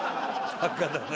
バカだな。